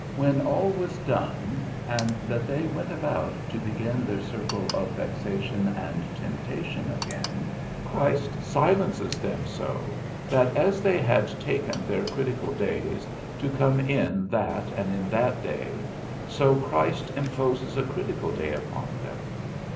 When all was done, and that they went about to begin their circle of vexation and temptation again, Christ silences them so, that as they had taken their critical days, to come in that and in that day, so Christ imposes a critical day upon them.